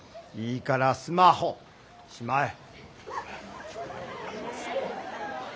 いいからスマホしまえ。